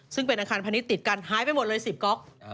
ซึ่งเป็นอาคารพาณิชย์ติดกันหายไปหมดเลย๑๐ก๊อก